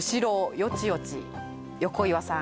横岩さん